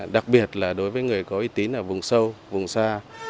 đặc biệt là đối với người có y tín ở vùng sâu vùng xa